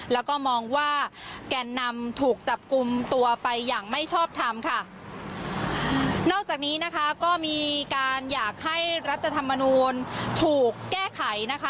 แล้วก็มองว่าแกนนำถูกจับกลุ่มตัวไปอย่างไม่ชอบทำค่ะนอกจากนี้นะคะก็มีการอยากให้รัฐธรรมนูลถูกแก้ไขนะคะ